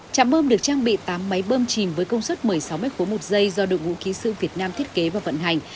chạm bơm được trang bị tám máy bơm chìm với công suất một mươi sáu m ba một giây do đội ngũ kỹ sư việt nam thiết kế và vận hành